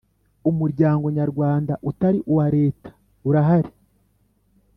Umuryango nyarwanda utari uwa Leta urahari.